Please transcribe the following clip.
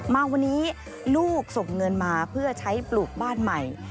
มาวันนี้ลูกส่งเงินมาเพื่อใช้ปลูกบ้านใหม่